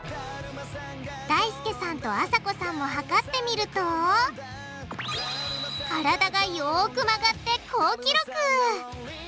だいすけさんとあさこさんも測ってみると体がよく曲がって好記録！